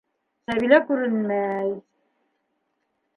Сәбилә күренмәй...